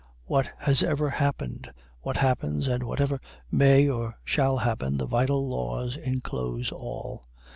What has ever happen'd what happens, and whatever may or shall happen, the vital laws inclose all.